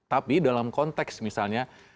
tapi dalam konteks misalnya